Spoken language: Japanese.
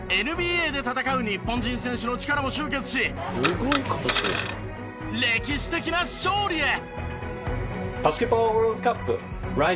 ＮＢＡで戦う日本人選手の力を集結し歴史的な勝利へ！